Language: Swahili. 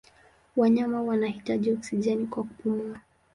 Wanyama wanahitaji oksijeni kwa kupumua.